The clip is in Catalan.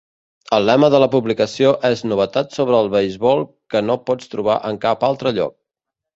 El lema de la publicació és "Novetats sobre el beisbol que no pots trobar en cap altre lloc".